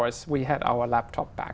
cách chúng ta liên lạc